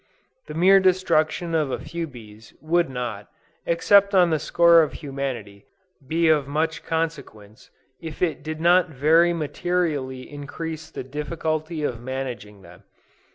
The mere destruction of a few bees, would not, except on the score of humanity, be of much consequence, if it did not very materially increase the difficulty of managing them.